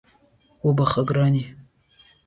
وبخښه ګرانې